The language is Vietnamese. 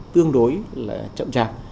tương đối là chậm chạp